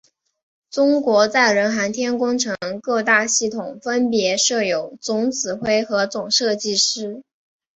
中国载人航天工程各大系统分别设有总指挥和总设计师。